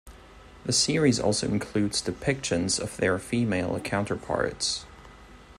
The series also includes depictions of their female counterparts.